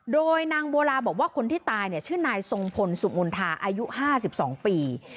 โดยนางบัวลาบอกว่าคนที่ตายชื่อนายทรงพลสุมนธาอายุ๕๒ปี